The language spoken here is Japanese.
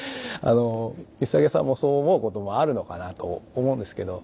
光武さんもそう思うこともあるのかなと思うんですけど。